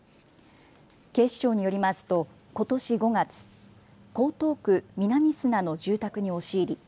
警視庁によりますとことし５月、江東区南砂の住宅に押し入り